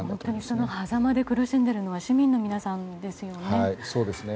そのはざまで苦しんでいるのは市民の皆さんですよね。